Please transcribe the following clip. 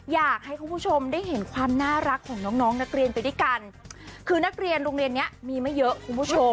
อยากให้คุณผู้ชมได้เห็นความน่ารักของน้องน้องนักเรียนไปด้วยกันคือนักเรียนโรงเรียนเนี้ยมีไม่เยอะคุณผู้ชม